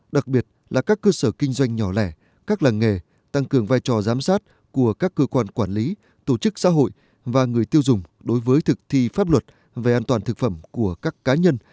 đặc biệt là các cơ sở kinh doanh nhỏ lẻ các làng nghề tăng cường vai trò giám sát của các cơ quan quản lý tổ chức xã hội và người tiêu dùng đối với thực thi pháp luật về an toàn thực phẩm của các cá nhân